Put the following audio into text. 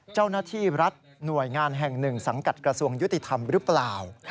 เจ้าหน้าที่รัฐหน่วยงานแห่งหนึ่งสังกัดกระทรวงยุติธรรมหรือเปล่า